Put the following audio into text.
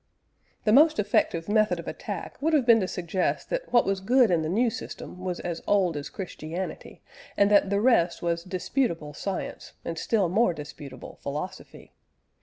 The most effective method of attack would have been to suggest that what was good in the new system was as old as Christianity, and that the rest was disputable science and still more disputable philosophy.